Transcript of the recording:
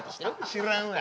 知らんわ。